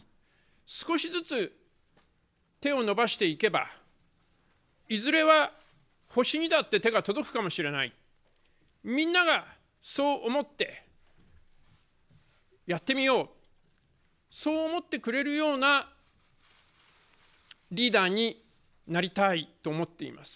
少しずつ手を伸ばしていけばいずれは星にだって手が届くかもしれないみんながそう思ってやってみよう、そう思ってくれるようなリーダーになりたいと思っています。